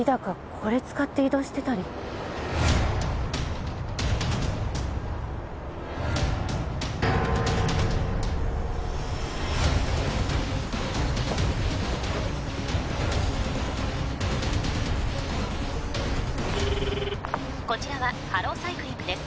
これ使って移動してたり☎こちらはハローサイクリングです